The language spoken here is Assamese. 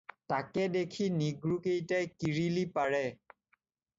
তাকে দেখি নিগ্ৰোকেইটাই কিৰীলি পাৰে।